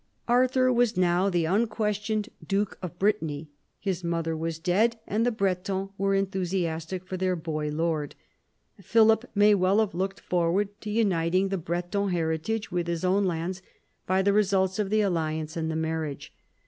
Arthur was now the unquestioned duke of Brittany. His mother was dead, and the Bretons were enthusiastic for their boy lord. Philip may well have looked forward to uniting the Breton heritage with his own lands by the results of the alliance and the marriage.